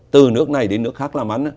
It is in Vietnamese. từ nước này đến nước khác làm ăn